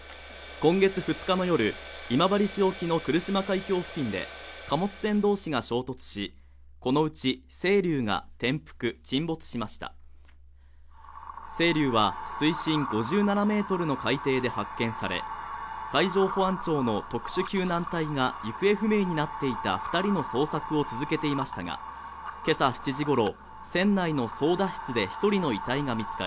今治市沖の来島海峡付近で貨物船同士が衝突しこのうち「せいりゅう」が転覆沈没しました「せいりゅう」は水深５７メートルの海底で発見され海上保安庁の特殊救難隊が行方不明になっていた二人の捜索を続けていましたがけさ７時ごろ船内の操舵室で一人の遺体が見つかり